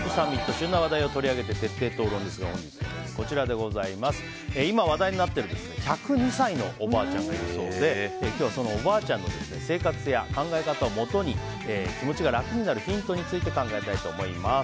旬な話題を取り上げて徹底討論ですが本日は今、話題になっている１０２歳のおばあちゃんがいるそうで今日は、そのおばあちゃんの生活や考え方をもとに気持ちが楽になるヒントについて考えたいと思います。